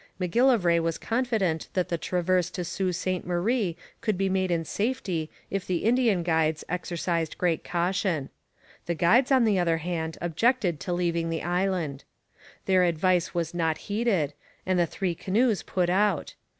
M'Gillivray was confident that the 'traverse' to Sault Ste Marie could be made in safety if the Indian guides exercised great caution. The guides, on the other hand, objected to leaving the island. Their advice was not heeded, and the three canoes put out.